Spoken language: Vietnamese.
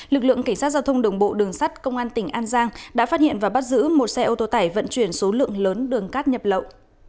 lực lượng cảnh sát giao thông đường bộ đường sắt công an tỉnh an giang đã phát hiện và bắt giữ một xe ô tô tải vận chuyển số lượng lớn đường cát nhập lậu